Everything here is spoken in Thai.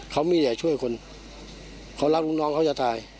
เขามีแต่ช่วยคนเขารักลูกน้องเขาจะตาย